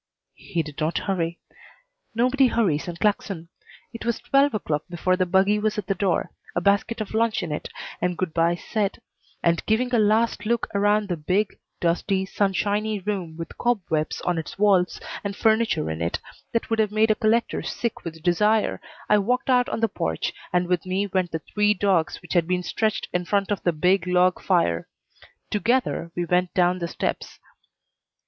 He did not hurry. Nobody hurries in Claxon. It was twelve o'clock before the buggy was at the door, a basket of lunch in it, and good bys said; and giving a last look around the big, dusty, sunshiny room with cobwebs on its walls and furniture in it that would have made a collector sick with desire, I walked out on the porch, and with me went the three dogs which had been stretched in front of the big log fire. Together we went down the steps.